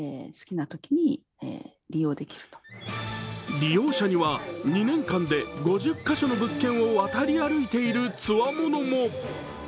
利用者には２年間で５０カ所の物件を渡り歩いているつわものも。